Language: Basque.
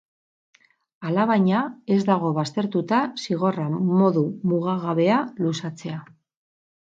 Alabaina, ez dago baztertuta zigorra modu mugagabea luzatzea.